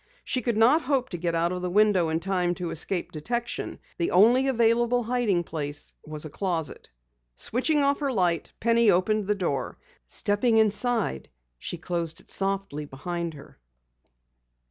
She could not hope to get out the window in time to escape detection. The only available hiding place was a closet. Switching off her light, Penny opened the door. Stepping inside, she closed it softly behind her.